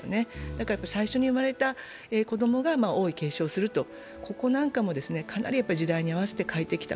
だから最初に生まれた子供が王位継承をするという、ここなんかもかなり時代に合わせて変えてきた、